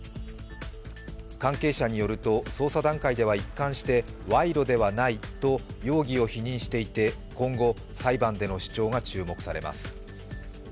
関係者によると、捜査段階では一貫して賄賂ではないと容疑を否認していて今後、裁判での主張が注目されます